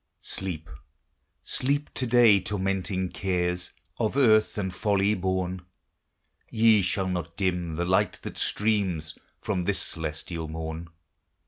Sleep, sleep to day, tormenting cares, Of earth and folly born; Ye shall not dim the light that streams From this celestial morn.